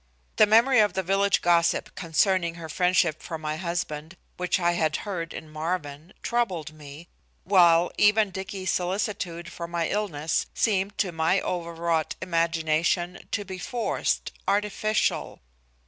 The memory of the village gossip concerning her friendship for my husband which I had heard in Marvin troubled me, while even Dicky's solicitude for my illness seemed to my overwrought imagination to be forced, artificial.